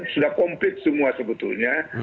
sudah komplit semua sebetulnya